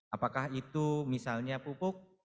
apakah itu misalnya pupuk